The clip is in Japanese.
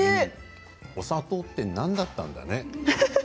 お砂糖って何だったんだね？